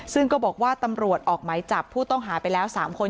ซึ่งก็บอกว่าตำรวจออกไหมจับผู้ต้องหาไปแล้ว๓คน